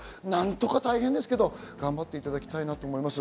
大変ですけど頑張っていただきたいと思います。